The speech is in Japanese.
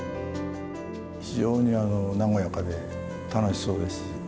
非常に和やかで楽しそうですし。